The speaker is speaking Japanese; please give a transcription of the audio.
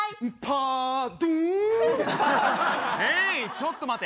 ちょっと待て。